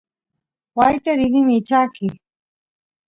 waayta rini michaqy